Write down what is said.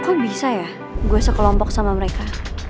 aku bisa ya gue sekelompok sama mereka